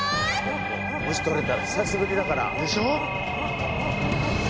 もし取れたら久しぶりだから。でしょう？